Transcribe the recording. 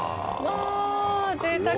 わあぜいたく！